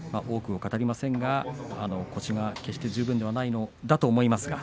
多くは語りませんが腰が決して十分ではないんだと思います。